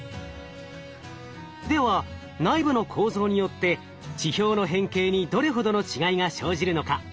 では内部の構造によって地表の変形にどれほどの違いが生じるのか